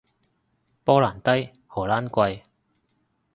波蘭低，荷蘭貴